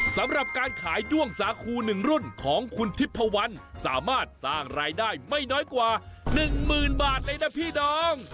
สำหรับการขายด้วงสาคู๑รุ่นของคุณทิพพวันสามารถสร้างรายได้ไม่น้อยกว่า๑๐๐๐บาทเลยนะพี่น้อง